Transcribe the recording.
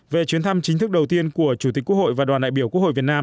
về chuyến thăm chính thức đầu tiên của chủ tịch quốc hội và đoàn đại biểu quốc hội việt nam